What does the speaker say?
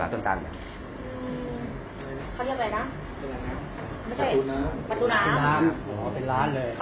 เขาจะเป็นอย่างนี้อยู่แล้วค่ะเวลาคนมาแล้วส่งอะไรอย่างนี้